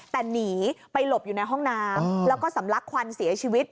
แต่หนีไปหลบอยู่ในห้องน้ำแล้วก็สำลักควันเสียชีวิต